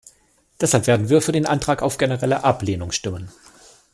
Deshalb werden wir für den Antrag auf generelle Ablehnung stimmen.